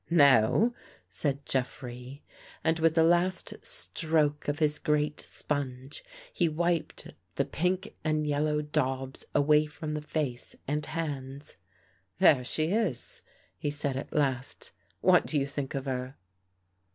''Now!" said Jeffrey. And with a last stroke of his great sponge he wiped the pink and yellow daubs away from the face and hands. " There she is," he said at last. " What do you think of her?"